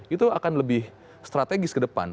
itu akan lebih strategis ke depan